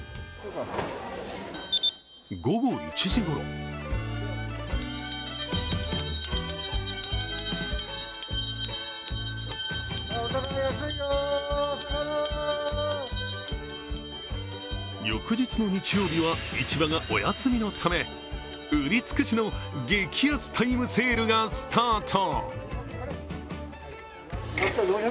午後１時ごろ翌日の日曜日は市場がお休みのため、売り尽くしの激安タイムセールがスタート。